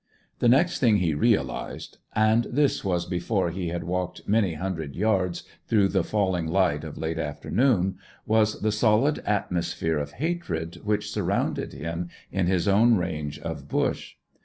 The next thing he realized and this was before he had walked many hundred yards through the falling light of late afternoon was the solid atmosphere of hatred which surrounded him in his own range of bush.